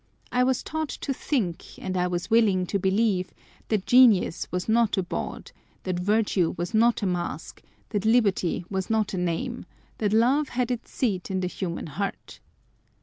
I was taught to think, and I was willing to believe, that genius was not a bawd, that virtue was not a mask, that liberty was not a name, that love had its seat in the human heart.